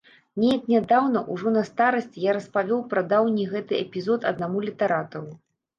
Неяк нядаўна, ужо на старасці, я распавёў пра даўні гэты эпізод аднаму літаратару.